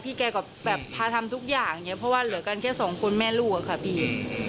พี่แกก็แบบพาทำทุกอย่างเพราะว่าเหลือกันแค่สองคนแม่ลูกค่ะพี่